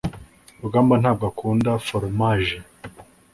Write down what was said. rugamba ntabwo akunda foromaje